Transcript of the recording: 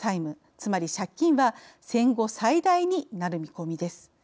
つまり借金は戦後最大になる見込みです。